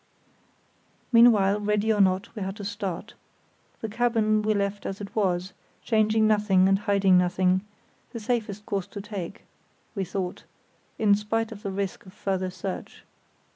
Meanwhile, ready or not, we had to start. The cabin we left as it was, changing nothing and hiding nothing; the safest course to take, we thought, in spite of the risk of further search.